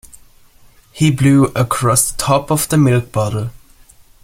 He blew across the top of the milk bottle